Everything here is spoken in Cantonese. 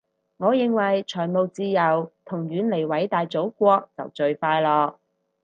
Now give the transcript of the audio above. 我認為財務自由同遠離偉大祖國就最快樂